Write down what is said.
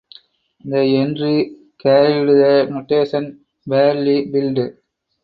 The entry carried the notation "badly built".